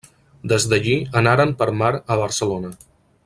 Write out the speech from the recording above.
Des d'allí anaren per mar a Barcelona.